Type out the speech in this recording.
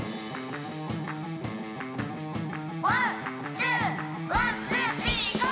「ワンツーワンツースリーＧＯ！」